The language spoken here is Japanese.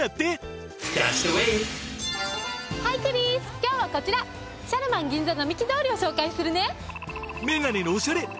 今日はこちらシャルマン銀座並木通りを紹介するね。